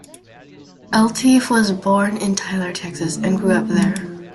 Eltife was born in Tyler, Texas, and grew up there.